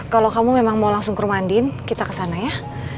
kalau kamu memang mau langsung ke rumahdiin kita kesana ya